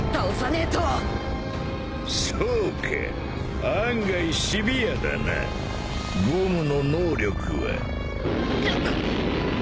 そうか案外シビアだなゴムの能力は。くっ！